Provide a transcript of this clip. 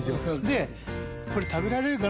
で「これ食べられるかな？」